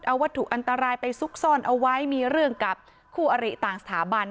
เอาวัตถุอันตรายไปซุกซ่อนเอาไว้มีเรื่องกับคู่อริต่างสถาบัน